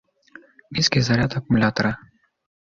Низкий заряд аккумулятора